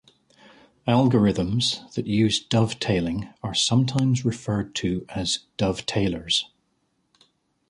Algorithms that use dovetailing are sometimes referred to as dovetailers.